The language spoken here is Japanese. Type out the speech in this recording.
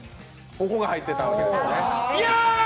ここが入ってたってことですね。